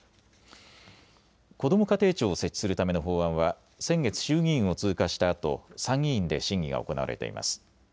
こども家庭庁を設置するための法案は先月、衆議院を通過したあと参議院で審議が行われています。